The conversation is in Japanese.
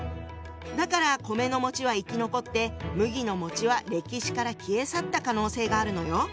だから米のは生き残って麦のは歴史から消え去った可能性があるのよ。